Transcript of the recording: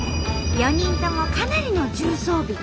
４人ともかなりの重装備。